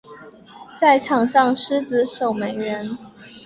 在场上司职守门员。